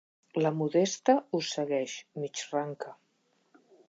La Modesta us segueix, mig ranca.